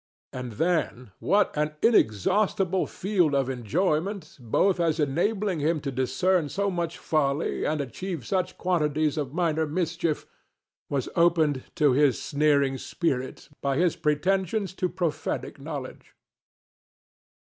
And then what an inexhaustible field of enjoyment, both as enabling him to discern so much folly and achieve such quantities of minor mischief, was opened to his sneering spirit by his pretensions to prophetic knowledge.